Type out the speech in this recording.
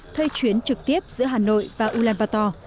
thuê chuyến trực tiếp giữa hà nội và ulaanbaatar